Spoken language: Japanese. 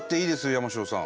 山城さん。